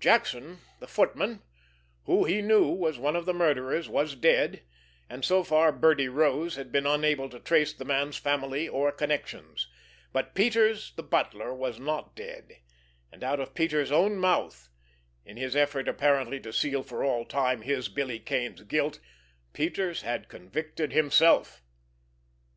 Jackson, the footman, who he knew was one of the murderers, was dead, and so far Birdie Rose had been unable to trace the man's family or connections; but Peters, the butler, was not dead, and out of Peters' own mouth, in his effort apparently to seal for all time his, Billy Kane's, guilt, Peters had convicted himself!